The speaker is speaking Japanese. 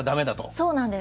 そうなんです。